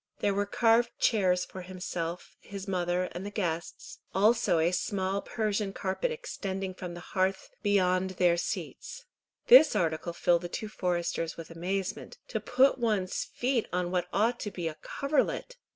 There were carved chairs for himself, his mother, and the guests, also a small Persian carpet extending from the hearth beyond their seats. This article filled the two foresters with amazement. To put one's feet on what ought to be a coverlet!